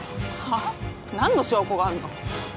はっ何の証拠があんの？